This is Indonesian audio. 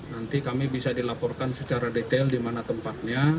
nanti kami bisa dilaporkan secara detail di mana tempatnya